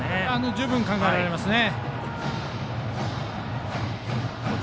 十分、考えられますね。